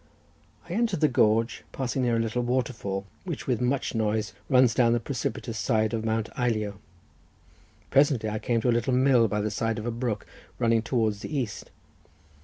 I entered the gorge, passing near a little waterfall which with much noise runs down the precipitous side of Mount Eilio—presently I came to a little mill by the side of a brook running towards the east.